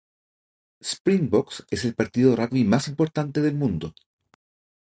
Springboks es el partido de rugby más importante del Mundo.